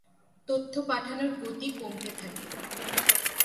তথ্য পাঠানোর গতি কমতে থাকে।